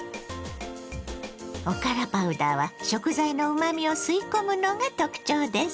おからパウダーは食材のうまみを吸い込むのが特徴です。